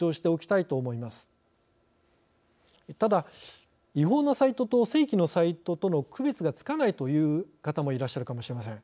ただ違法なサイトと正規のサイトとの区別がつかないという方もいらっしゃるかもしれません。